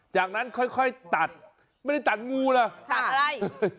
จากนั้นค่อยตัดไม่ได้ตัดงูเหรอตัดอะไร